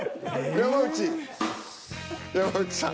山内さん。